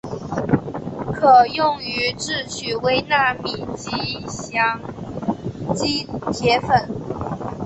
可用于制取微纳米级羰基铁粉。